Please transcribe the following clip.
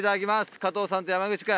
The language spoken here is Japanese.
『加藤さんと山口くん』。